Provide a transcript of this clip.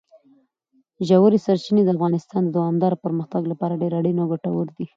ژورې سرچینې د افغانستان د دوامداره پرمختګ لپاره ډېر اړین او ګټور دي.